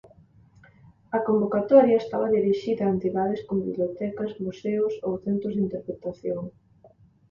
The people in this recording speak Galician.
A convocatoria estaba dirixida a entidades con bibliotecas, museos ou centros de interpretación.